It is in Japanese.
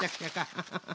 ハハハハ。